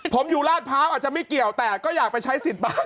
ผมอยู่ราชพร้าวอาจจะไม่เกี่ยวแต่ก็อยากไปใช้สิทธิ์บ้าง